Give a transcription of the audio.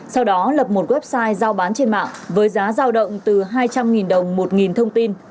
sau đó lập một website giao bán trên mạng với giá giao động từ hai trăm linh đồng một thông tin